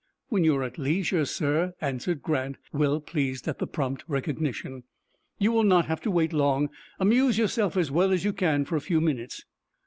"When you are at leisure, sir," answered Grant, well pleased at the prompt recognition. "You will not have to wait long. Amuse yourself as well as you can for a few minutes."